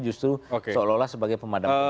justru seolah olah sebagai pemadam kebakaran